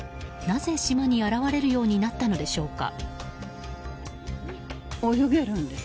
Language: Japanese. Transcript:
なぜ島に現れるようになったのでしょうか。